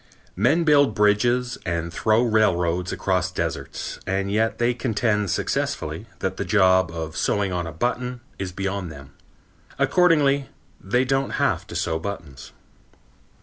Men build bridges and throw railroads across deserts, and yet they contend successfully that the job of sewing on a button is beyond them. Accordingly, they don't have to sew buttons.